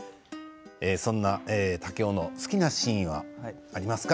そんな竹雄の好きなシーンはありますか？